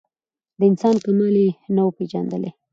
د انسان کمال یې نه وو پېژندلی